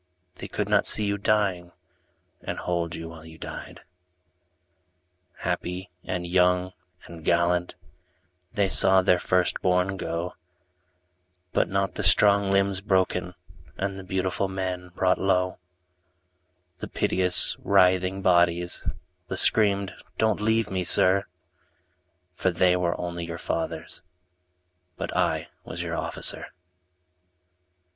They could not see you dying. And hold you while you died. Happy and young and gallant, They saw their first bom go, 41 But not the strong limbs broken And the beautiful men brought low, The piteous writhing bodies, The screamed, " Don't leave me, Sir," For they were only your fathers But I was your officer.